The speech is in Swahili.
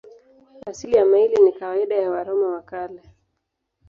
Asili ya maili ni kawaida ya Waroma wa Kale.